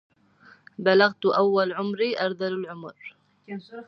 بلغت أول عمري أرذل العمر